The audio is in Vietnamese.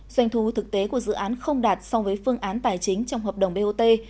doanh thu thực tế của dự án không đạt so với phương án tài chính trong hợp đồng bot